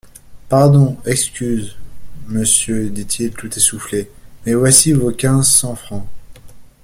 Pardon, excuse, monsieur, dit-il tout essoufflé, mais voici vos quinze cents francs.